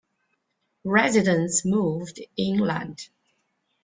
Residents moved inland.